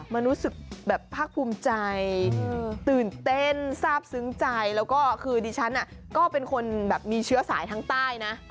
มันรู้สึกแบบภาคภูมิใจตื่นเต้นทราบซึ้งใจแล้วก็คือดิฉันก็เป็นคนแบบมีเชื้อสายทางใต้นะ